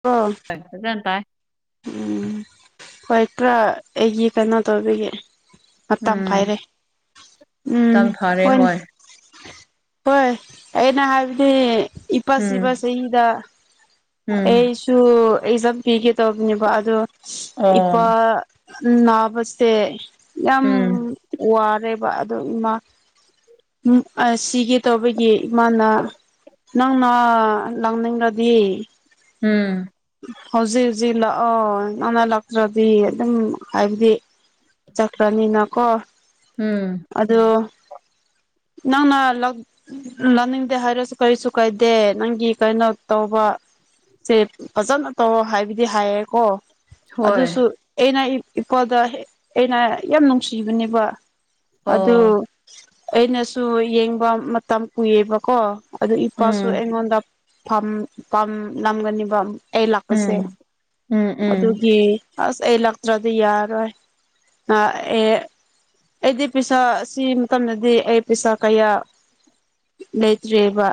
ꯄꯥ [unintelligible] ꯒ꯭ꯌꯥꯟ ꯇꯥꯏ ꯎꯝ ꯍꯣꯏ ꯈꯔ ꯑꯩꯒꯤ ꯀꯩꯅꯣ ꯇꯧꯕꯤꯒꯦ ꯃꯇꯝ ꯎꯝ ꯄꯥꯏꯔꯦ ꯎꯝ ꯇꯝ ꯐꯔꯦ ꯍꯣꯏꯅꯦ ꯍꯣꯏ ꯍꯣꯏ ꯑꯩꯅ ꯍꯥꯏꯕꯗꯤ ꯏꯞ__ ꯎꯝ ꯏꯄꯥꯁꯤꯕ ꯆꯍꯤꯗ ꯎꯝ ꯑꯩꯁꯨ ꯑꯦꯛꯖꯥꯝ ꯄꯤꯒꯦ ꯇꯧꯕꯅꯦꯕ ꯑꯗꯣ ꯏꯄꯥ ꯑꯣ ꯅꯥꯕꯁꯦ ꯌꯥꯝ ꯎꯝ ꯋꯥꯔꯦꯕ ꯑꯗꯣ ꯏꯃꯥ ꯎ ꯁꯤꯒ ꯇꯧꯕꯒꯤ ꯏꯃꯥꯅ ꯅꯪꯅ ꯂꯪꯅꯤꯡꯂꯗꯤ ꯎꯝ ꯍꯧꯖꯤꯛ ꯍꯧꯖꯤꯛ ꯂꯥꯛꯑꯣ ꯅꯪꯅ ꯂꯛꯇ꯭ꯔꯗꯤ ꯑꯗꯨꯝ ꯍꯥꯏꯕꯗꯤ ꯆꯀ꯭ꯔꯅꯤꯅ ꯀꯣ ꯎꯝ ꯑꯗꫭ ꯅꯪꯅ ꯂꯧ ꯂꯥꯅꯤꯡꯗꯦ ꯍꯥꯏꯔꯁꯨ ꯀꯔꯤꯁꯨ ꯀꯥꯏꯗꯦ ꯅꯪꯒꯤ ꯀꯩꯅꯣ ꯇꯧꯕ ꯁꯦ ꯐꯖꯅ ꯇꯧ ꯍꯥꯏꯕꯗꯤ ꯍꯥꯏꯌꯦꯀꯣ ꯍꯣꯏ ꯑꯗꯨꯁꯨ ꯑꯩꯅ ꯏꯄꯣꯗ ꯑꯩꯅ ꯌꯥꯝ ꯅꯨꯡꯁꯤꯕꯅꯦꯕ ꯑꯗꯨ ꯑꯣ ꯑꯩꯅꯁꯨ ꯌꯦꯡꯕ ꯃꯇꯝ ꯀꯨꯏꯌꯦꯕꯀꯣ ꯑꯗꯨ ꯏꯄꯥꯁꯨ ꯎꯝ ꯑꯩꯉꯣꯟꯗꯝ ꯅꯝꯒꯅꯤꯕ ꯑꯩ ꯂꯥꯛꯄꯁꯦ ꯎꯝ ꯎꯝ ꯎꯝ ꯑꯗꯨꯒꯤ ꯑꯁ ꯑꯦ ꯂꯛ ꯇꯔꯥꯗꯤ ꯌꯥꯔ ꯑꯣꯏ ꯑ ꯑꯦꯗꯤ ꯄꯩꯁꯥ ꯑꯁꯤ ꯃꯇꯝꯗꯗꯤ ꯑꯩ ꯄꯩꯁꯥ ꯀꯌꯥ ꯂꯩꯇ꯭ꯔꯤꯑꯕ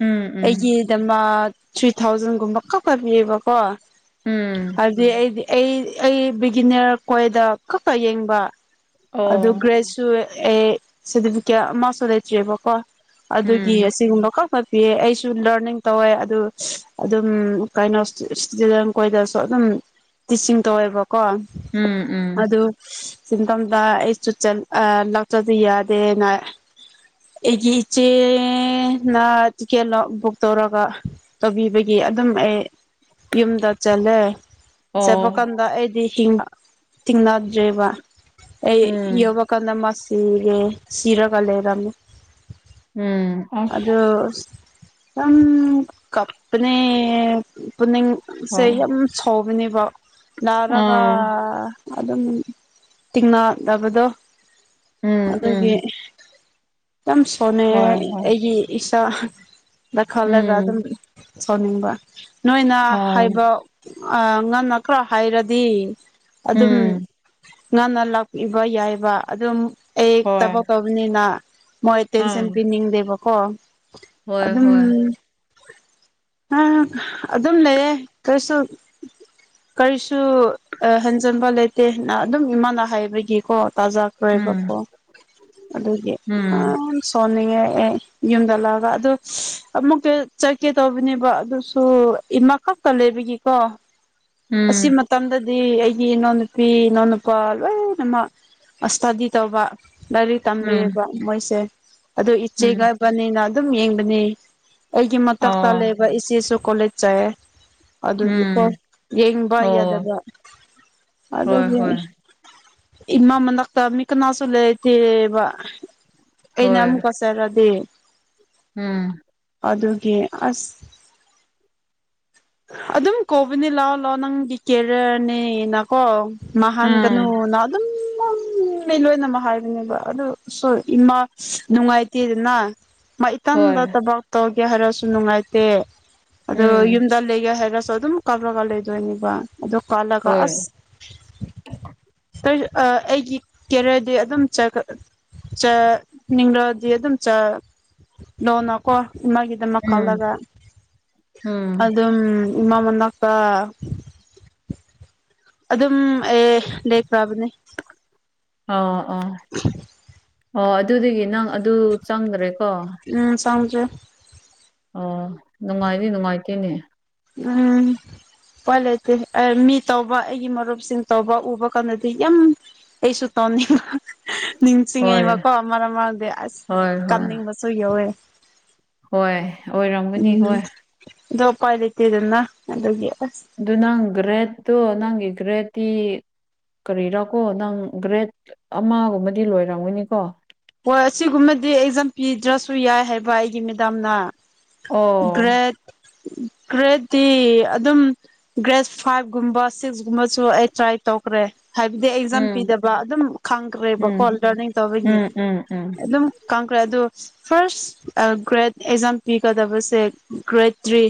ꯎꯝ ꯑꯩꯒꯤꯗꯃꯛ ꯊ꯭ꯔꯤ ꯊꯥꯎꯖꯟꯒꯨꯝꯕ ꯀꯛꯄ ꯄꯤꯕꯀꯣ ꯎꯝ ꯎꯝ ꯑꯗ ꯑꯩꯗꯤ ꯑꯩ ꯑꯩ ꯕꯤꯒꯤꯅꯔ ꯀꯣꯏꯗ ꯀꯛꯀ ꯌꯦꯡꯕ ꯑꯗꯨ ꯑꯣ ꯒ꯭ꯔꯦꯖ ꯁꯨ ꯑꯦ ꯁꯥꯔꯇꯤꯐꯤꯀꯦꯠ ꯑꯃꯁꯨ ꯂꯩꯇ꯭ꯔꯤꯕꯀꯣ ꯑꯗꯨꯒꯤ ꯎꯝ ꯑꯁꯤꯒꯨꯝꯕ ꯀꯣ ꯄꯤꯑ ꯑꯩꯁꯨ ꯂꯔꯅꯤꯡ ꯇꯧꯋꯦ ꯑꯗꯨ ꯑꯗꯨꯝ ꯀꯩꯅꯣ ꯏꯁꯨꯗ ꯑꯩꯈꯣꯏꯗꯁꯨ ꯑꯗꯨꯝ ꯇꯤꯆꯤꯡ ꯇꯧꯋꯦꯕꯀꯣ ꯎꯝ ꯎꯝ ꯑꯗꯨ ꯁꯤꯟꯊꯝꯗ ꯑꯩ ꯆ ꯂꯥꯎꯆꯗꯤ ꯌꯥꯗꯦꯅ ꯑꯩꯒꯤ ꯏꯆꯦꯅ ꯇꯤꯛꯀꯦꯠ ꯕꯨꯛ ꯇꯧꯔꯒ ꯇꯧꯕꯤꯕꯒꯤ ꯑꯗꯨꯝ ꯑꯦ ꯌꯨꯝꯗ ꯆꯠꯂꯦ ꯆꯠꯄ ꯑꯣ ꯀꯥꯟꯗ ꯑꯩꯗꯤ ꯍꯤꯡꯉ ꯇꯤꯡꯅꯗ꯭ꯔꯦꯕ ꯑꯩ ꯎꯝ ꯌꯕ ꯀꯗꯃꯁꯤꯒ ꯁꯤꯔꯒ ꯂꯩꯔꯝꯃ ꯎꯝ ꯑꯁ ꯑꯗꫭ ꯌꯥꯝ ꯀꯞꯄꯅꯦ ꯄꯨꯅꯤꯡꯁꯦ ꯍꯣꯏ ꯌꯥꯝ ꯁꯥꯎꯕꯅꯦꯕ ꯂꯅꯥꯔꯒ ꯑꯥ ꯑꯗꯨꯝ ꯇꯤꯡꯅꯗꯅꯕꯗꯣ ꯎꯝ ꯑꯗꯨꯒꯤ ꯎꯝ ꯌꯥꯝ ꯁꯣꯟꯅꯩ ꯍꯣꯏ ꯍꯣꯏ ꯑꯩꯒꯤ ꯏꯆꯥ ꯗ ꯈꯜꯂꯒ ꯎꯝ ꯑꯗꯨꯝ ꯁꯧꯅꯤꯡꯕ ꯅꯣꯏꯅ ꯑꯥ ꯍꯥꯏꯕ ꯑ ꯉꯟꯅ ꯈ꯭ꯔ ꯍꯥꯏꯔꯗꯤ ꯑꯗꯨꯝ ꯎꯝ ꯉꯟꯅ ꯂꯥꯛꯄꯤꯕ ꯌꯥꯏꯕ ꯑꯗꯨꯝ ꯑꯩ ꯍꯣꯏ ꯊꯕꯛ ꯇꯕꯅꯤꯅ ꯃꯣꯏ ꯇꯦꯟꯁꯟ ꯑꯥ ꯄꯤꯅꯤꯡꯗꯦꯕꯀꯣ ꯍꯣꯏ ꯍꯣꯏ ꯑꯗꯨꯝ ꯑ ꯑꯗꯨꯝ ꯂꯩꯌꯦ ꯀꯔꯤꯁꯨ ꯀꯔꯤꯁꯨ ꯍꯟꯖꯤꯟꯕ ꯂꯩꯇꯦ ꯑꯗꯨꯝ ꯏꯃꯥꯅ ꯍꯥꯏꯕꯒꯤꯀꯣ ꯇꯥꯖꯥ ꯎꯝ ꯑꯣꯏꯕꯀꯣ ꯑꯗꯨꯒꯤ ꯎꯝ ꯁꯣꯟꯅꯤꯡꯉꯦ ꯑꯦ ꯌꯨꯝꯗꯂꯥꯛꯑꯒ ꯑꯗꯨ ꯑꯃꯨꯛꯀ ꯆꯠꯀꯦ ꯇꯧꯕꯅꯦꯕ ꯑꯗꯨꯁꯨ ꯏꯃꯥ ꯈꯛꯇ ꯂꯩꯕꯒꯤꯀꯣ ꯑꯁꯤ ꯎꯝ ꯃꯇꯝꯗꯗꯤ ꯑꯩꯒꯤ ꯏꯅꯥꯎꯅꯨꯄꯤ ꯏꯅꯥꯎꯅꯨꯄꯥ ꯂꯣꯏꯅꯃꯛ ꯏꯁꯇꯥꯗꯤ ꯇꯧꯕ ꯂꯥꯏꯔꯤꯛ ꯎꯝ ꯇꯝꯕꯤꯕ ꯃꯣꯏꯁꯦ ꯑꯗꯨ ꯎꯝ ꯏꯆꯦꯒ ꯕꯅꯤꯅ ꯑꯗꯨꯝ ꯌꯦꯡꯕꯅꯤ ꯑꯩꯒꯤ ꯃꯊꯛꯇ ꯑꯣ ꯂꯩꯕ ꯏꯆꯦꯁꯨ ꯀꯣꯂꯦꯖ ꯆꯥꯏꯌꯦ ꯎꯝ ꯑꯗꯨꯒꯤꯀꯣ ꯌꯦꯡꯕ ꯑꯣ ꯌꯥꯗꯕ ꯍꯣꯏ ꯑꯗꯨꯒꯤ ꯍꯣꯏ ꯏꯃꯥ ꯃꯅꯥꯛꯇ ꯃꯤ ꯀꯅꯥꯁꯨ ꯂꯩꯇꯦꯕ ꯑꯩꯅ ꯍꯣꯏ ꯑꯃꯨꯛꯀ ꯆꯔꯗꯤ ꯎꯝ ꯑꯗꯨꯒꯤ ꯑꯁ ꯑꯗꯨꯝ ꯀꯣꯕꯤꯅꯤ ꯂꯥꯛꯑꯣ ꯂꯥꯛꯑꯣ ꯅꯪꯒꯤ ꯀꯦꯔꯤꯌꯔꯅꯤꯅ ꯀꯣ ꯎꯝ ꯃꯍꯥꯟꯒꯅꯨꯅꯥ ꯃꯤ ꯂꯣꯏꯅꯃꯛ ꯍꯥꯏꯕꯅꯦꯕ ꯑꯗꯨ ꯁꯣꯏ ꯏꯃꯥ ꯅꯨꯡꯉꯥꯏꯇꯦꯗꯅ ꯍꯣꯏ ꯃꯥꯏꯇꯟꯇ ꯊꯕꯛ ꯇꯧꯒꯦ ꯍꯥꯏꯔꯁꯨ ꯅꯨꯡꯉꯥꯏꯇꯦ ꯑꯗꯣ ꯎꯝ ꯌꯨꯝꯗ ꯂꯩꯒꯦ ꯍꯥꯏꯔꯁꯨ ꯑꯗꯨꯝ ꯀꯥꯞꯂꯒ ꯂꯩꯗꯣꯏꯅꯦꯕ ꯑꯗꯨꯣ ꯀꯥꯜꯂꯒ ꯍꯣꯏ ꯑꯁ ꯑ ꯑꯩꯒꯤ ꯀꯦꯔꯗꯤ ꯑꯗꯨꯝ ꯆꯥꯠ ꯆꯥ ꯅꯤꯡꯂꯣꯗꯤ ꯑꯗꯨꯝ ꯆꯥ ꯂꯣꯟꯅꯀꯣ ꯏꯃꯒꯤꯗꯃꯛ ꯎꯝ ꯈꯜꯂꯒ ꯎꯝ ꯑꯗꯨꯝ ꯃꯃꯥ ꯃꯅꯥꯛꯇ ꯑꯗꯨꯝ ꯑꯦ ꯂꯩꯦꯛꯈ꯭ꯔꯥꯕꯅꯦ ꯑꯣ ꯑꯣ ꯑꯣ ꯑꯗꯨꯗꯒꯤ ꯅꯪ ꯑꯗꯨ ꯆꯪꯗ꯭ꯔꯦꯀꯣ ꯎꯝ [unintelligible] ꯑꯣ ꯅꯨꯡꯉꯥꯏꯅꯤ ꯅꯨꯡꯉꯥꯏꯇꯦꯅꯦ ꯎꯝ ꯀꯏ ꯂꯩꯇꯦ ꯃꯤ ꯇꯧꯕ ꯑꯩꯒꯤ ꯃꯔꯨꯞꯁꯤꯡ ꯇꯧꯕ ꯎꯕ ꯀꯥꯟꯗꯗꯤ ꯌꯥꯝ ꯑꯩꯁꯨ ꯇꯣꯅꯤꯡꯕ ꯍꯣꯏ ꯅꯤꯡꯁꯤꯡꯉꯦꯕꯀꯣ ꯃꯔꯛ ꯃꯔꯗꯤ ꯑꯁ ꯍꯣꯏ ꯍꯣꯏ ꯀꯥꯅꯤꯡꯕꯁꯨ ꯌꯧꯋꯦ ꯍꯣꯏ ꯑꯣꯏꯔꯝꯒꯅꯤ ꯎꯝ ꯍꯣꯏ ꯗꯣ ꯎꯄꯥꯏ ꯂꯩꯏꯇꯦꯗꯅ ꯑꯗꯨꯗꯗꯒꯤ ꯑꯁ ꯑꯗꯨ ꯅꯪ ꯒ꯭ꯔꯦꯠꯇꯣ ꯅꯪꯒꯤ ꯒ꯭ꯔꯦꯠꯇꯤ ꯀꯔꯤꯔꯥꯀꯣ ꯅꯪ ꯒ꯭ꯔꯦꯠ ꯑꯃꯒꯨꯝꯕꯗꯤ ꯂꯣꯏꯔꯝꯒꯅꯤꯀꯣ ꯍꯣꯏ ꯑꯁꯤꯒꯨꯝꯕꯗꯤ ꯑꯦꯛꯖꯥꯝ ꯄꯤꯗ꯭ꯔꯁꯨ ꯌꯥꯏ ꯍꯥꯏꯕ ꯑꯩꯒꯤ ꯃꯦꯗꯥꯝꯅ ꯑꯣ ꯒ꯭ꯔꯦꯠ ꯒ꯭ꯔꯦꯠꯇꯤ ꯑꯗꯨꯝ ꯒ꯭ꯔꯦꯗ ꯐꯥꯏꯚ ꯨꯝꯕ ꯁꯤꯛꯁꯒꯨꯝꯕꯁꯨ ꯑꯩ ꯇ꯭ꯔꯥꯏ ꯇꯧꯈ꯭ꯔꯦ ꯍꯥꯏꯕꯗꯤ ꯑꯦꯛꯖꯥꯝ ꯎꯝ ꯄꯤꯗꯕ ꯑꯗꯨꯝ ꯎꯝ ꯈꯪꯈ꯭ꯔꯦꯕꯀꯣ ꯂꯔꯅꯤꯡ ꯇꯧꯕꯒꯤ ꯎꯝ ꯎꯝ ꯎꯝ ꯑꯗꯨꯝ ꯀꯪꯈ꯭ꯔꯦ ꯑꯗꯨ ꯐꯥꯔꯁ ꯒ꯭ꯔꯦꯠ ꯑꯦꯛꯖꯥꯝ ꯄꯤꯒꯗꯕꯁꯦ ꯒ꯭ꯔꯦꯠ ꯊ꯭ꯔꯤ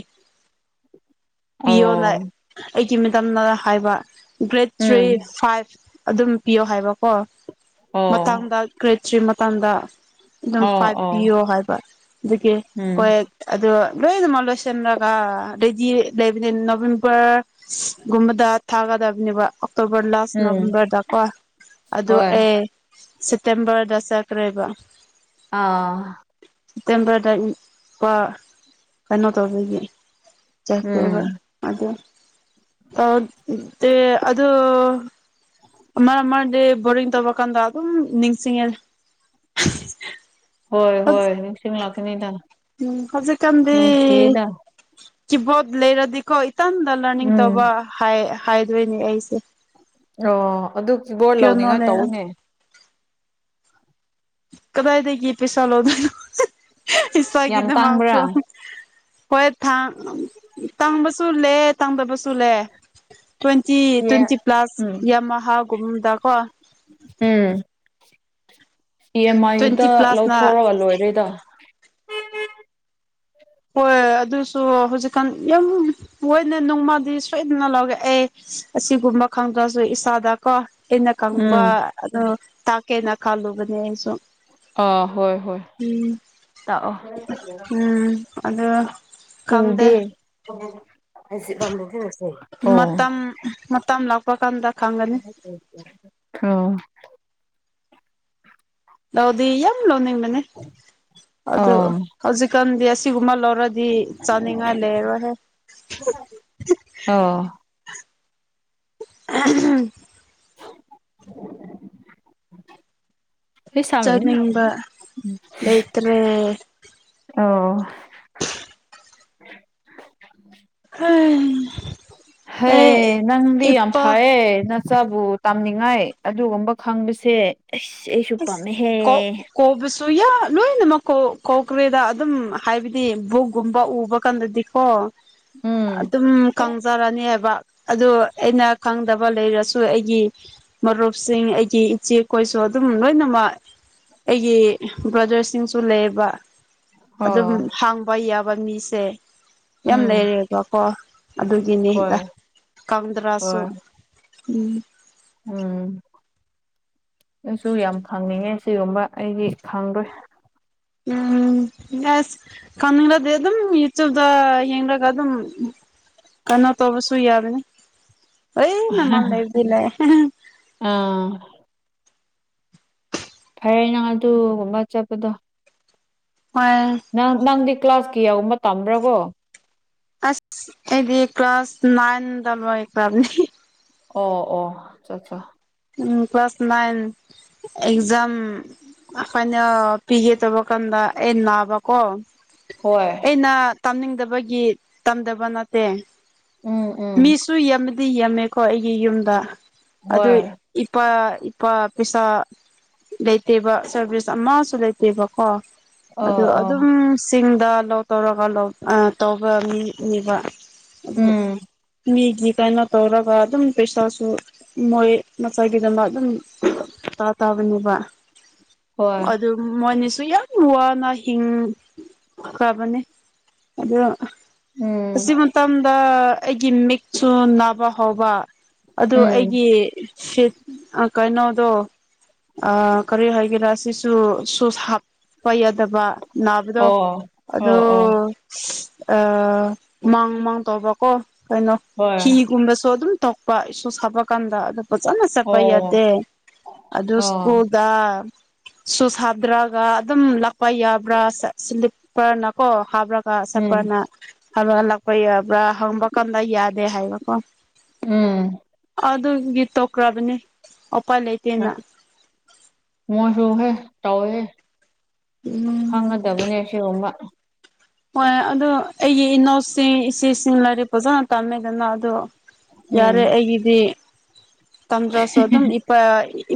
ꯄꯤꯌꯣꯅ ꯑꯣ ꯑꯩꯒꯤ ꯃꯇꯝꯅ ꯍꯥꯏꯕ ꯒ꯭ꯔꯦꯠ ꯊ꯭ꯔꯤ ꯎꯝ ꯐꯥꯏꯚ ꯑꯗꯨꯝ ꯄꯤꯌꯣ ꯍꯥꯏꯕꯀꯣ ꯑꯣ ꯃꯇꯥꯡꯗ ꯀ꯭ꯔꯦꯠꯁ꯭ꯔꯤ ꯃꯇꯥꯡꯗ ꯑꯗꯨꯝ ꯑꯣ ꯄꯥꯏꯚ ꯑꯣ ꯄꯤꯌꯣ ꯍꯥꯏꯕ ꯑꯗꯒꯤ ꯎꯝ ꯍꯣꯏ ꯑꯗꯣ ꯂꯣꯏꯑꯗꯨꯃꯛ ꯂꯣꯏꯁꯤꯟꯔꯒ ꯑꯗꯥꯏꯗꯤ ꯂꯩꯕꯅꯤ ꯅꯣꯕꯦꯝꯕꯔ ꯁ ꯒꯨꯝꯕꯗ ꯊꯥꯒꯗꯕꯅꯦꯕ ꯑꯣꯛꯇꯣꯕꯔ ꯂꯥꯁ ꯎꯝ ꯅꯕꯦꯝꯕꯔꯗꯀꯣ ꯑꯗꯨꯣ ꯍꯣꯏ ꯑꯦ ꯁꯦꯞꯇꯦꯝꯕꯔꯗ ꯆꯈ꯭ꯔꯦꯕ ꯑꯥ ꯁꯦꯞꯇꯦꯝꯕꯔꯗ ꯂꯄꯥ ꯀꯩꯅꯣ ꯇꯧꯕꯖꯒꯤ ꯕ ꯎꯝ ꯑꯗꯨꯗꯦ ꯄꯇꯦ ꯑꯗꯨ ꯑꯃ ꯑꯃꯗꯤ ꯕꯣꯔꯤꯡ ꯇꯧꯕꯔꯀꯥꯟꯗ ꯑꯗꯨꯝ ꯅꯤꯡꯁꯤꯡꯉꯦ ꯍꯣꯏ ꯍꯣꯏ ꯅꯤꯡꯁꯤꯡ ꯂꯥꯛꯀꯅꯤꯗꯅ ꯎꯝ ꯍꯧꯖꯤꯛ ꯀꯥꯟꯗꯤ ꯀ ꯠ ꯂꯩꯦꯔꯥꯗꯤꯀ ꯈꯤꯇꯟꯗ ꯂꯔꯅꯤꯡ ꯇꯧꯕ ꯎꯝ ꯍꯥꯏꯗꯣꯏꯅꯦ ꯑꯩꯁꯦ ꯑꯣ ꯑꯗꯨ ꯀꯤꯕꯣꯔꯗ ꯄꯤꯌꯥꯅꯣ ꯂꯧꯅꯤꯡꯉꯥꯏ ꯂꯩꯔ ꯇꯧꯅꯦ ꯀꯗꯥꯏꯗꯒꯤ ꯄꯩꯁꯥ ꯂꯧꯗꯣꯏꯅꯣ ꯌꯥꯝ ꯏꯁꯥꯒꯤꯗꯃꯛꯁꯨ ꯇꯥꯡꯕ꯭ꯔꯥ ꯍꯣꯏ ꯇꯥꯡꯕꯁꯨ ꯂꯩ ꯇꯥꯡꯗꯕꯁꯨ ꯂꯩ ꯇ꯭ꯋꯦꯟꯇꯤ ꯌꯦ ꯇ꯭ꯋꯦꯟꯇꯤ ꯄ꯭ꯂꯥꯁ ꯎꯝ ꯌꯥꯝ ꯍꯥꯎꯒꯨꯝꯗ ꯀꯣ ꯎꯝ ꯏ ꯑꯦꯝ ꯇ꯭ꯋꯦꯟꯇꯤ ꯑꯥꯏꯗ ꯄ꯭ꯂꯁꯅ ꯂꯧꯊꯣꯔꯒ ꯂꯣꯏꯔꯦꯗ ꯍꯣꯏ ꯑꯗꯨꯁꯨ ꯍꯧꯖꯤꯛꯀꯥꯟ ꯌꯥꯝ ꯃꯣꯏꯅ ꯅꯣꯡꯃꯗꯤ ꯁꯣꯏꯗꯅ ꯂꯧꯒꯦ ꯑꯦ ꯑꯁꯤꯒꯨꯝꯕ ꯈꯪꯗ꯭ꯔꯁꯨ ꯏꯁꯥꯗ ꯀꯣ ꯑꯩꯅ ꯀꯪꯕ ꯎꯝ ꯑꯗꯨ ꯇꯥꯛꯀꯦꯅ ꯈꯥꯜꯂꯨꯕꯅꯦ ꯑꯩꯁꯨ ꯑꯥ ꯍꯣꯏ ꯍꯣꯏ ꯎꯝ ꯂꯥꯛꯑꯣ ꯑꯗ ꯎꯗꯦ ꯑꯣ ꯃꯇꯝ ꯃꯇꯝ ꯂꯥꯛꯄ ꯀꯥꯟꯗ ꯈꯪꯒꯅꯤ ꯑ [unintelligible] ꯂꯧꯗꯤ ꯌꯥꯝ ꯂꯧꯅꯤꯡꯕꯅꯤ ꯑꯗꯨ ꯑꯣ ꯍꯧꯖꯤꯛꯀꯥꯟꯗꯤ ꯑꯁꯤꯒꯨꯝꯕ ꯂꯧꯔ ꯗꯤ ꯆꯥꯅꯤꯡꯉꯥꯏ ꯂꯩꯔꯣꯏꯍꯦ ꯑꯣ [unintelligible] [unintelligible] ꯆꯥꯅꯤꯡꯕ ꯂꯩꯇ꯭ꯔꯦ ꯑꯣ [unintelligible] ꯑꯦ ꯍꯩ ꯅꯪꯗꯤ ꯌꯥꯝ ꯏꯄꯥ ꯐꯌꯦ ꯅꯪ ꯆꯥꯕꯨ ꯇꯝꯅꯤꯡꯉꯥꯏ ꯑꯗꯨꯒꯨꯝꯕ ꯈꯪꯕꯁꯦ ꯑꯩꯁ ꯑꯩꯁꯨ ꯄꯥꯝꯃꯦꯍꯦ ꯀꯧꯕꯁꯨ ꯌꯥꯝ ꯂꯣꯏꯅꯃꯛ ꯀꯣꯀ꯭ꯔꯦꯗ ꯑꯗꯨꯝ ꯍꯥꯏꯕꯗꯤ ꯕꯨꯛꯀꯨꯝꯕ ꯎꯕ ꯀꯥꯟꯗꯗꯤꯀꯣ ꯎꯝ ꯑꯗꯨꯝ ꯈꯪꯖꯔꯅꯦꯕ ꯑꯗꯨ ꯑꯩꯅ ꯈꯪꯗꯕ ꯂꯩꯔꯁꯨ ꯑꯩꯒꯤ ꯃꯔꯨꯞꯁꯤꯡ ꯑꯩꯒꯤ ꯏꯆꯦ ꯀꯣꯏꯁꯨ ꯗꯨꯝ ꯂꯣꯏꯅꯃꯛ ꯑꯩꯒꯤ ꯕ꯭ꯔꯗ꯭ꯔꯁꯤꯡꯁꯨ ꯂꯩꯌꯦꯕ ꯑꯗꯨꯝ ꯑꯣ ꯍꯥꯡꯕ ꯌꯥꯕ ꯃꯤꯁꯦ ꯌꯥꯝ ꯎꯝ ꯂꯩꯔꯦꯕꯀꯣ ꯑꯗꯨꯒꯤꯅꯦꯗ ꯍꯣꯏ ꯀꯪꯗ꯭ꯔꯥꯁꯨ ꯍꯣꯏ ꯎꯝ ꯎꯝ ꯑꯩꯁꯨ ꯌꯥꯝ ꯈꯪꯅꯤꯡꯉꯦ ꯁꯤꯒꯨꯝꯕ ꯑꯩꯗꯤ ꯈꯪꯗꯦ ꯎꯝ ꯌꯥꯁ ꯀꯥꯟꯅꯗꯦ ꯑꯗꯨꯝ ꯌꯨꯇꯨꯞꯇ ꯌꯦꯡꯂꯒ ꯑꯗꯨꯝ ꯀꯩꯅꯣ ꯇꯣꯕꯁꯨ ꯌꯥꯗꯦꯅꯦ ꯑꯩꯃꯃꯜ [unintelligible] ꯂꯩꯕꯗꯤ ꯂꯩ ꯑꯥ ꯐꯩ ꯅꯪ ꯑꯗꯨꯒꯨꯝꯕ ꯆꯠꯄꯗꯣ ꯍꯣꯏ ꯅꯪ ꯅꯪꯗꯤ ꯀ꯭ꯂꯥꯁꯀꯤ ꯌꯧꯃ ꯇꯝꯕ꯭ꯔꯀꯣ ꯑꯁ ꯑꯩꯗꯤ ꯀ꯭ꯂꯥꯁ ꯅꯥꯏꯟꯗ ꯗꯨꯃꯥꯏ ꯇꯝꯅꯤ ꯑꯣ ꯑꯣ ꯆꯥ ꯆꯥ ꯎꯝ ꯀ꯭ꯂꯥꯁ ꯅꯥꯏꯟ ꯑꯦꯛꯖꯥꯝ ꯐꯥꯏꯅꯦꯜ ꯄꯤꯒꯦ ꯇꯧꯕ ꯀꯥꯟꯗ ꯑꯦ ꯅꯥꯕꯀꯣ ꯍꯣꯏ ꯑꯩꯅ ꯇꯝꯅꯤꯡꯗꯕꯒꯤ ꯇꯝꯗꯕ ꯅꯠꯇꯦ ꯎꯝ ꯎꯝ ꯃꯤꯁꯨ ꯗꯤ ꯌꯥꯝꯃꯦꯀꯣ ꯑꯩꯒꯤ ꯌꯨꯝꯗ ꯑꯗꯨ ꯍꯣꯏ ꯏꯄꯥ ꯏꯄꯥ ꯄꯩꯁꯥ ꯂꯩꯇꯦꯕ ꯁꯔꯚꯤꯁ ꯑꯃꯁꯨ ꯂꯩꯇꯦꯕ ꯀꯣ ꯑꯗꯨ ꯑꯥ ꯑꯥ ꯑꯗꯨꯝ ꯆꯤꯡꯗ ꯂꯧ ꯇꯧꯔꯒ ꯂꯧ ꯇꯧꯕ ꯃꯤꯅꯦꯕ ꯑ ꯎꯝ [unintelligible] ꯃꯤꯒꯤ ꯀꯧꯅꯣ ꯇꯧꯔꯒ ꯑꯗꯨꯝ ꯄꯩꯁꯥꯁꯨ ꯃꯣꯏ ꯃꯆꯥꯥꯏꯒꯤꯗꯃꯛ ꯑꯗꯨꯝ ꯇꯥ ꯇꯥꯕꯅꯦꯕ ꯍꯣꯏ ꯑꯗꯨ ꯃꯣꯏꯅꯤꯁꯨ ꯌꯥꯝ ꯋꯥꯅ ꯍꯤꯡ ꯐꯕꯅꯤ ꯑꯗꯨ ꯎꯝ ꯑꯁꯤ ꯃꯇꯝꯗ ꯑꯩꯒꯤ ꯃꯤꯛꯁꯨ ꯅꯥꯕ ꯍꯧꯕ ꯑꯗꯨ ꯎꯝ ꯑꯩꯒꯤ ꯁꯤꯠ ꯀꯩꯅꯣꯗꯣ ꯀꯔꯤ ꯍꯥꯏꯒꯦꯔꯥ ꯁꯤꯁꯨ ꯁꯨꯁ ꯍꯥꯞꯄ ꯌꯥꯗꯕ ꯅꯥꯕꯗꯣ ꯑꯣ ꯑꯗꯣ ꯑꯣ ꯑꯣ ꯑ ꯎꯃꯥꯡ ꯎꯃꯥꯡ ꯇꯧꯕꯀꯣ ꯀꯩꯅꯣ ꯍꯣꯏ ꯍꯤꯒꯨꯝꯕꯁꯨ ꯑꯗꯨꯝ ꯇꯣꯛꯄ ꯁꯨꯁ ꯍꯥꯞꯄ ꯀꯥꯟꯗ ꯑꯗꯨ ꯐꯖꯅ ꯆꯠꯄ ꯑꯣ ꯌꯥꯗꯦ ꯑꯗꯨ ꯁ꯭ꯀꯨꯜ ꯑꯣ ꯗꯥ ꯁꯨꯁ ꯍꯥꯞꯇ꯭ꯔꯒ ꯑꯗꯨꯝ ꯂꯥꯛꯄ ꯌꯥꯕ꯭ꯔꯥ ꯁꯂꯤꯞꯄꯔꯅ ꯀꯣ ꯍꯥꯞꯔꯛ ꯎꯝ ꯁꯄꯔꯅ ꯍꯥꯞꯍꯜꯂꯥꯛꯄ ꯌꯥꯕ꯭ꯔꯥ ꯍꯪꯕ ꯀꯥꯟꯗ ꯌꯥꯗꯦ ꯍꯥꯏꯕꯀꯣ꯫ ꯎꯝ ꯑꯗꯨꯒꯤ ꯇꯣꯈ꯭ꯔꯥꯕꯅꯤ ꯑꯣꯄꯥꯏ ꯂꯩ ꯃꯣꯏꯁꯨꯨꯍꯦ ꯇꯧꯍꯦ ꯎꯝ ꯈꯪꯉ ꯗꯕꯅꯦ ꯁꯤꯒꯨꯝꯕꯥ ꯍꯣꯏ ꯑꯗꯣ ꯑꯩꯒꯤ ꯏꯅꯥꯎꯁꯤꯡ ꯏꯆꯦꯁꯤꯡ ꯂꯥꯏꯔꯤꯛ ꯐꯖꯅ ꯇꯝꯃꯦꯗꯅ ꯑꯗꯣ ꯌꯥꯔꯦ ꯎꯝ ꯑꯩꯒꯤꯗꯤ ꯇꯝꯗ꯭ꯔꯁꯨ ꯑꯗꯨꯝ ꯏ ꯑ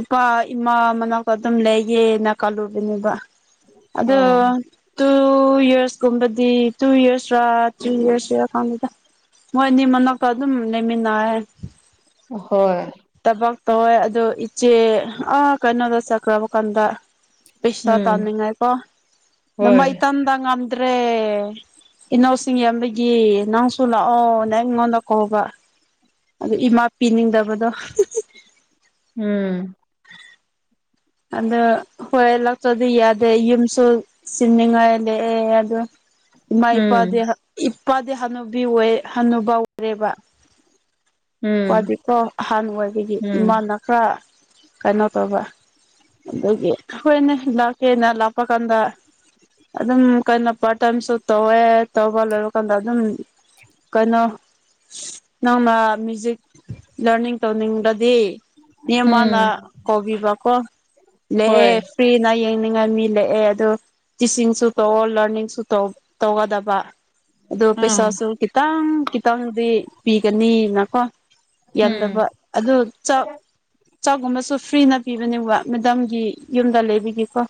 ꯏꯄꯥ ꯏꯃꯥ ꯃꯅꯥꯛꯇ ꯑꯗꯨꯝ ꯂꯩꯒꯦꯅ ꯀꯜꯂꯨꯕꯅꯤꯕ꯫ ꯑꯗꯨ ꯑꯣ ꯇꯨ ꯌꯔꯁꯀꯨꯝꯕꯗꯤ ꯇꯨ ꯌꯤꯔꯁꯔꯥ ꯇ꯭ꯔꯤ ꯏꯔꯁꯔ ꯈꯪꯗꯦꯗ꯫ ꯃꯣꯏꯅꯤ ꯃꯅꯥꯛꯇ ꯑꯗꯨꯝ ꯂꯩꯃꯤꯟꯅꯔꯦ꯫ ꯍꯣꯏ ꯊꯕꯛ ꯇꯧꯋꯦ ꯑꯗꯨ ꯏꯆꯦ ꯑꯥ ꯀꯩꯅꯣꯗ ꯆꯠꯈ꯭ꯔꯕ ꯀꯥꯟꯗ ꯄꯩꯁꯥ ꯎꯝ ꯇꯥꯅꯤꯡꯉꯥꯏꯀꯣ ꯗ ꯃꯩ ꯍꯣꯏ ꯇꯟꯗ ꯉꯝꯗ꯭ꯔꯦ ꯏꯅꯧꯁꯤꯡ ꯌꯥꯝꯕꯒꯤ ꯅꯪꯁꯨ ꯂꯥꯛꯑꯣ ꯅꯪ ꯑꯩꯉꯣꯟꯗ ꯀꯧꯕ꯫ ꯑꯗ ꯏꯃꯥ ꯄꯤꯅꯤꯡꯗꯕꯗꯣ ꯎꯝ ꯑꯗꯣ ꯍꯣꯏ ꯂꯥꯛꯇꯗꯤ ꯌꯥꯗꯦ ꯌꯨꯝꯁꯨ ꯆꯤꯅꯤꯉꯥꯏ ꯂꯦ ꯑꯦ ꯑꯗꯨ ꯏꯃꯥ ꯏꯄꯥꯗꯤ ꯎꯝ ꯍꯥ ꯏꯄꯥꯗꯤ ꯍꯅꯨꯕꯤ ꯑꯣꯏ ꯍꯅꯨꯕ ꯑꯣꯏꯔꯦꯕ꯫ ꯎꯝ ꯏꯄꯥꯗꯤꯀꯣ ꯑꯍꯥꯟ ꯑꯣꯏꯕꯒꯤ ꯎꯝ ꯏꯃꯥꯅ ꯈ꯭ꯔ ꯀꯩꯅꯣ ꯇꯧꯕ ꯑꯗꯨꯒꯤ ꯑꯩꯈꯣꯏꯅꯦ ꯂꯥꯛꯀꯦꯅ ꯂꯥꯞꯄ ꯀꯥꯟꯗ ꯑꯗꯨꯝ ꯀꯩꯅꯣ ꯄꯥꯔꯠ ꯇꯥꯏꯝꯁꯨ ꯇꯧꯋꯦ ꯇꯧꯕ ꯂꯣꯏꯕ ꯀꯥꯟꯗ ꯑꯗꯨꯝ ꯀꯩꯅꯣ ꯅꯪꯅ ꯃ꯭ꯌꯨꯖꯤꯛ ꯂꯔꯅꯤꯡ ꯇꯧꯅꯤꯡꯂꯥꯗꯤ ꯃꯤ ꯑꯃꯅ ꯎꯝ ꯀꯧꯕꯤꯕ ꯀꯣ꯫ ꯂꯦꯛꯑꯦ ꯍꯣꯏ ꯐ꯭ꯔꯤꯅ ꯌꯦꯡꯅꯤꯡꯉꯥꯏ ꯃꯤ ꯂꯦꯛꯑꯦ ꯑꯗꯨ ꯇꯤꯆꯤꯡꯁꯨ ꯇꯧꯑꯣ ꯂꯔꯅꯤꯡꯁꯨ ꯇꯧ ꯇꯧꯒꯗꯕ꯫ ꯑꯗꯣ ꯎꯝ ꯄꯩꯁꯥꯁꯨ ꯈꯤꯇꯪ ꯈꯤꯇꯪꯗꯤ ꯄꯤꯒꯅꯤꯅꯀꯣ꯫ ꯎꯝ ꯌꯥꯝꯗꯕ ꯑꯗꯨ ꯆꯥꯛ ꯆꯥꯛꯒꯨꯝꯕꯁꯨ ꯐ꯭ꯔꯤꯅ ꯄꯤꯕꯅꯦ ꯋꯥ ꯃꯦꯗꯥꯝꯒꯤ ꯌꯨꯝꯗ ꯂꯩꯕꯤꯒꯤꯀꯣ [unintelligible]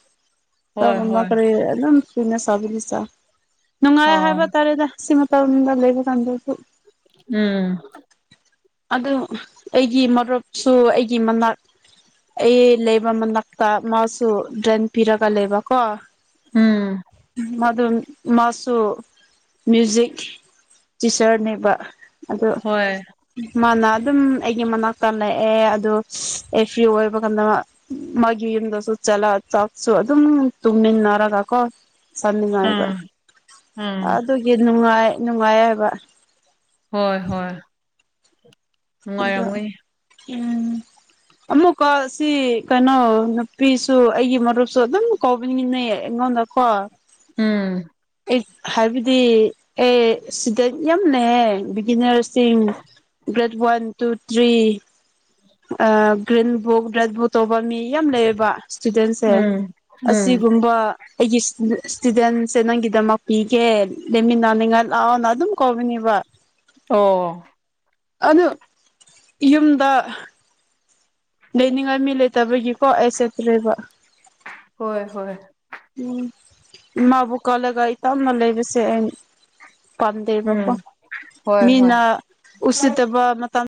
ꯍꯣꯏ ꯍꯣꯏ ꯑꯗꯨꯝ [unintelligible] ꯅꯨꯡꯉꯥꯏ ꯑ ꯍꯥꯏꯕ ꯎꯝ ꯇꯥꯔꯦꯗ ꯁꯤ ꯃꯇꯝꯗ ꯂꯩꯕ ꯀꯥꯟꯗꯁꯨ꯫ ꯎꯝ ꯑꯗꯨ ꯑꯩꯒꯤ ꯃꯔꯨꯞꯁꯨ ꯑꯩꯒꯤ ꯃꯅꯥꯛ ꯑꯩ ꯂꯩꯕ ꯃꯅꯥꯛꯇ ꯃꯥꯁꯨ ꯔꯦꯟꯠ ꯄꯤꯔꯒ ꯂꯩꯕꯀꯣ꯫ ꯎꯝ ꯃꯗꯨ ꯃꯥꯁꯨ ꯃ꯭ꯌꯨꯖꯤꯛ ꯇꯤꯆꯔꯅꯦꯕ ꯑꯗꯨ ꯍꯣꯏ ꯃꯥꯅ ꯑꯗꯨꯝ ꯑꯩꯒꯤ ꯃꯅꯥꯛꯇ ꯂꯦꯛꯑꯦ ꯑꯗꯨ ꯑꯩ ꯐ꯭ꯔꯤ ꯑꯣꯏꯕ ꯀꯥꯟꯗ ꯃꯥꯒꯤ ꯌꯨꯝꯗꯁꯨ ꯆꯠꯂ ꯆꯥꯛꯁꯨ ꯑꯗꯨꯝ ꯇꯨꯝꯃꯤꯟꯅꯔꯒ ꯀꯣ ꯆꯝꯅꯤꯡꯉꯥꯏꯕ ꯎꯝ ꯎꯝ ꯑꯗꯨꯒꯤ ꯅꯨꯡꯉꯥꯏ ꯅꯨꯡꯉꯥꯏ ꯍꯥꯏꯕ꯫ ꯍꯣꯏ ꯍꯣꯏ ꯑꯗꯣ ꯅꯨꯡꯉꯥꯏꯔꯝꯒꯅꯤ꯫ ꯎꯝ ꯑꯃꯨꯛꯀ ꯁꯤ ꯀꯩꯅꯣ ꯅꯨꯄꯤꯁꯨ ꯑꯩꯒꯤ ꯃꯔꯨꯞꯁꯨ ꯑꯗꯨꯝ ꯀꯧꯕꯅꯤꯅꯩ ꯑꯩꯉꯣꯟꯗ ꯍꯣꯏ ꯎꯝ ꯑꯩ ꯍꯥꯏꯕꯗꯤ ꯑꯦꯁꯤꯗ ꯌꯥꯝꯅꯍꯦ ꯕꯤꯒꯤꯅꯔꯁꯤꯡ ꯒꯔ꯭ꯦꯗ ꯋꯥꯟ ꯇꯨ ꯇ꯭ꯔꯤ ꯑ ꯒ꯭ꯔꯤꯟꯕꯨꯛ ꯇ ꯑꯗꯨ ꯇꯧꯕ ꯃꯤ ꯌꯥꯝ ꯂꯩꯌꯦꯕ ꯁꯇꯨꯗꯦꯟꯠꯁꯦ ꯎꯝ ꯎꯝ ꯑꯁꯤꯒꯨꯝꯕ ꯑꯩꯒꯤ ꯏꯁꯇꯨꯗꯦꯟꯁꯦ ꯅꯪꯒꯤꯗꯝꯛ ꯄꯤꯒꯦ ꯂꯩꯃꯤꯟꯅꯅꯤꯡꯉ ꯂꯥꯎꯅ ꯑꯗꯨꯝ ꯀꯧꯕꯅꯤꯕ ꯑꯣ ꯑꯗꯣ ꯌꯨꯝꯗ ꯂꯩꯅꯤꯡꯉꯥꯏ ꯃꯤ ꯂꯩꯇꯕꯒꯤꯀꯣ ꯑꯩ ꯆꯦꯠꯇ꯭ꯔꯦꯕ ꯍꯣꯏ ꯍꯣꯏ ꯎꯝ ꯏꯃꯥꯕꯨ ꯀꯜꯂꯒ ꯑꯩ ꯇꯞꯅ ꯂꯩꯕꯁꯦ ꯑꯩꯩ ꯄꯥꯝꯗꯦꯔꯕꯣ ꯎꯝ ꯍꯣꯏ ꯍꯣꯏ ꯃꯤꯅ ꯎꯁꯤꯗꯕ ꯃꯇꯝ